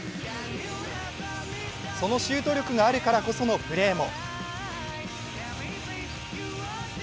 そのシュート力があるからのプレーも。